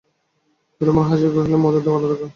বিল্বন হাসিয়া কহিলেন, মধুর গলাধাক্কা।